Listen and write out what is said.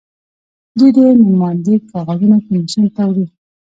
دوی د نوماندۍ کاغذونه کمېسیون ته وړي.